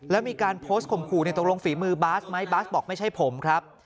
แล้วมีการโพสต์ข่มขู่ตกลงฝีมือบาสไหมบาสบอกไม่ใช่ผมครับ